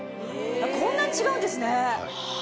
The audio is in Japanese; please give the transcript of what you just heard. こんなに違うんですね。